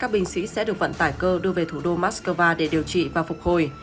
bệnh sĩ sẽ được vận tải cơ đưa về thủ đô moscow để điều trị và phục hồi